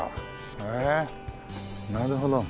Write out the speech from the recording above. へえなるほど。